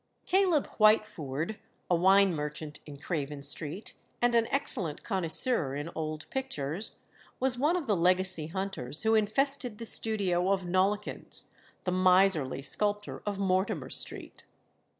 Caleb Whitefoord, a wine merchant in Craven Street, and an excellent connoisseur in old pictures, was one of the legacy hunters who infested the studio of Nollekens, the miserly sculptor of Mortimer Street.